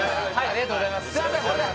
ありがとうございます